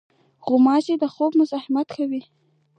غوماشې د خوب مزاحمت کوي.